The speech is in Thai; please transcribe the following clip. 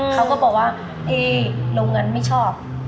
เขาก็บอกว่าโรงงานไม่ชอบ